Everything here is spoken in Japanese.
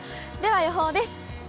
では予報です。